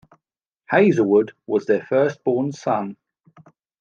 Hazelwood was their first-born son.